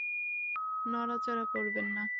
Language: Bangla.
নড়াচড়া করবেন না।